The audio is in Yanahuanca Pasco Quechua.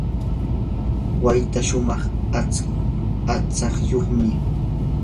wayta shumaq aqtsayuqmi.